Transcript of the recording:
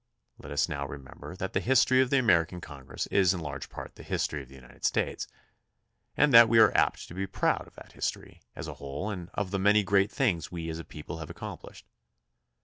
Let us also remember that the history of the Amer ican Congress is in large part the history of the United States, and that we are apt to be proud of that history as a whole and of the many great things we as a people have accomplished.